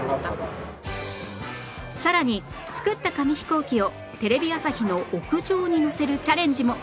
さらに作った紙ヒコーキをテレビ朝日の屋上にのせるチャレンジも